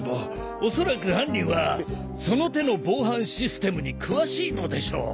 おそらく犯人はその手の防犯システムに詳しいのでしょう。